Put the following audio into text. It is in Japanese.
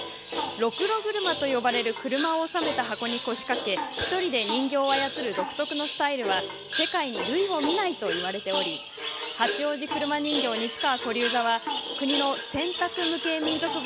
ろくろ車と呼ばれる車をおさめた箱に腰掛け１人で人形を操る独特のスタイルは世界に類を見ないといわれており八王子車人形西川古柳座は国の選択無形民俗